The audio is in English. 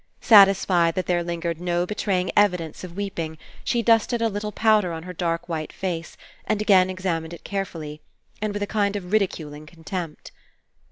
Satisfied that there lingered no be traying evidence of weeping, she dusted a little powder on her dark white face and again ex amined it carefully, and with a kind of ridi culing contempt.